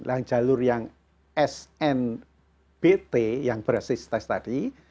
yang jalur yang snbt yang berbasis tes tadi